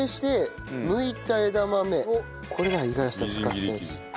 これだ五十嵐さん使ってたやつ。